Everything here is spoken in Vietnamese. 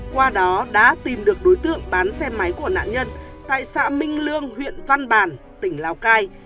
qua đó đã tìm được đối tượng bán xe máy của nạn nhân tại xã minh lương huyện văn bàn tỉnh lào cai